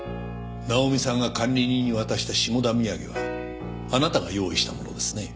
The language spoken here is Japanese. ナオミさんが管理人に渡した下田土産はあなたが用意したものですね？